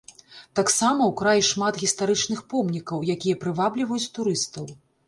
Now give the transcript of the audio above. Таксама ў краі шмат гістарычных помнікаў, якія прывабліваюць турыстаў.